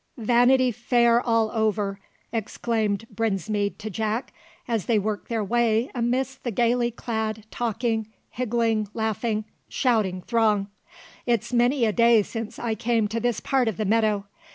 Vanity Fair all over!" exclaimed Brinsmead to Jack, as they worked their way amidst the gaily clad talking, higgling, laughing, shouting throng. "It's many a day since I came to this part of the meadow.